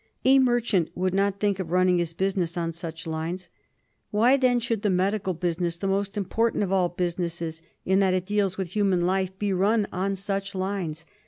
A merchant would not think of running his business on such lines. Why, then, should the medical business, the most important of all businesses, in that it deals with human life, be run on such lines